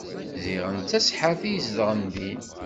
Ziɣen d taseḥḥart i izedɣen din.